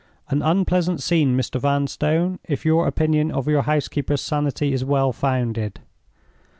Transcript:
An unpleasant scene, Mr. Vanstone, if your opinion of your housekeeper's sanity is well founded.